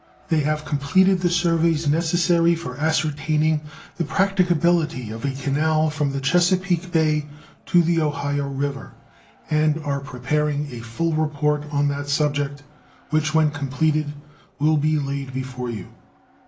They have completed the surveys necessary for ascertaining the practicability of a canal from the Chesapeake Bay to the Ohio River, and are preparing a full report on that subject, which, when completed, will be laid before you.